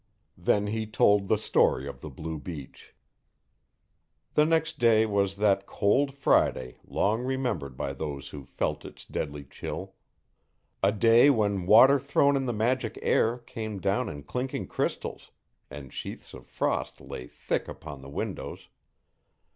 Then he told the story of the blue beech. The next day was that 'cold Friday' long remembered by those who felt its deadly chill a day when water thrown in the magic air came down in clinking crystals, and sheaths of frost lay thick upon the windows.